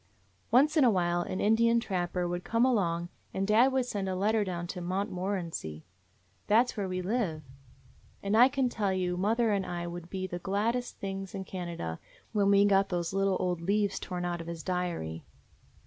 "Once in a while an Indian trapper would come along and dad would send a letter down to Montmorency : that 's where we live, and I can tell you mother and I would be the glad dest things in Canada when we got those little old leaves torn out of his diary.